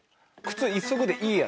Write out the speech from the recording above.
靴１足でいいや。